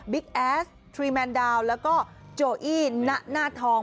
บิ๊กแอสทรีแมนดาวน์แล้วก็โจอี้หน้าทอง